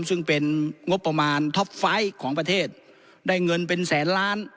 ซึ่งเป็นงบประมาณท็อปไฟต์ของประเทศได้เงินเป็นแสนล้าน